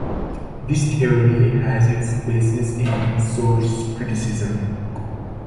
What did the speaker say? This theory has its basis in source criticism.